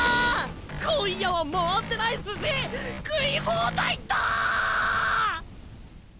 今夜は回ってない寿司食い放題だ！